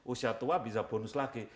usia tua bisa bonus lagi